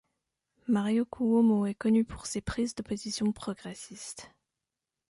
Mario Cuomo est connu pour ses prises de position progressistes.